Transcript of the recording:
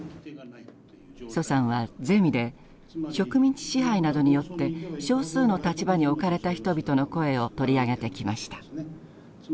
徐さんはゼミで植民地支配などによって少数の立場に置かれた人々の声を取り上げてきました。